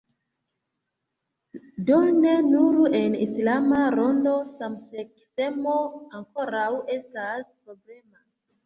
Do ne nur en islama rondo samseksemo ankoraŭ estas problema.